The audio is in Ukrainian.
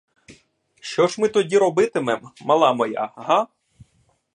Що ж ми тоді робитимем, мала моя, га?